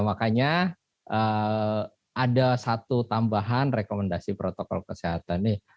makanya ada satu tambahan rekomendasi protokol kesehatan nih